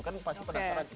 kan pasti penasaran